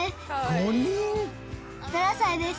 ５歳です。